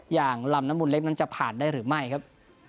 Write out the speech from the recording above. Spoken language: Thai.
อย่างลำน้ำมูลเล็กนั้นจะผ่านได้หรือไม่ครับ